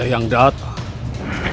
ada yang datang